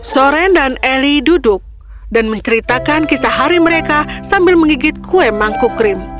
soren dan eli duduk dan menceritakan kisah hari mereka sambil menggigit kue mangkuk krim